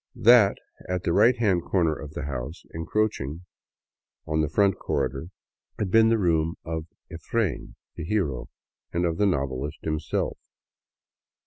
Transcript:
That at the right hand corner of the house, encroaching on the front corredor, had been the room of *' Efrain," the hero, and of the noveHst himself.